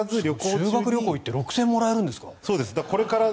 修学旅行に行って６０００円もらえるんですか？